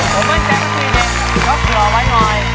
ผมไม่แจ้งกับสวีเดนชอบเผื่อออกไปหน่อย